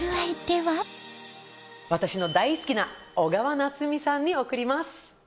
私の大好きな小川菜摘さんにおくります。